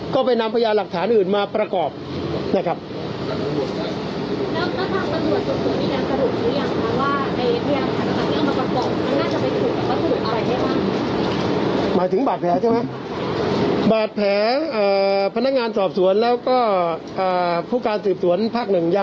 ก็ไปนำทรวปสาวงานหลักฐานอื่นมาประกอบ